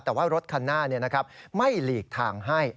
แต่ว่ารถคันหน้าไม่หลีกทางให้